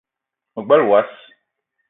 Ma gbele wass